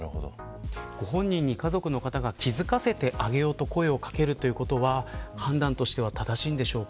ご本人に家族の方が気付かせてあげようと声を掛けるということは判断としては正しいんでしょうか。